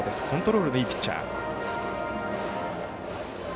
コントロールがいいピッチャー。